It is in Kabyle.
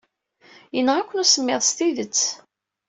Yenɣa-ken usemmiḍ s tidet.